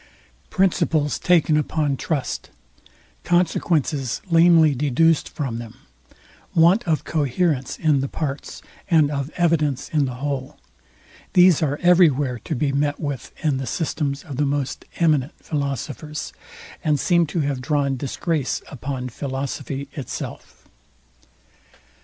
Principles taken upon trust, consequences lamely deduced from them, want of coherence in the parts, and of evidence in the whole, these are every where to be met with in the systems of the most eminent philosophers, and seem to have drawn disgrace upon philosophy itself.